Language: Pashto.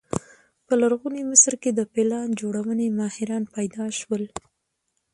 په لرغوني مصر کې د پلان جوړونې ماهران پیدا شول.